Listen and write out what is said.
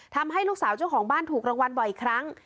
ทำให้ลูกสาวเจ้าของบ้านถูกรางวัลบ่อยครั้ง